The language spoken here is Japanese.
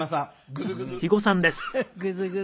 グズグズ。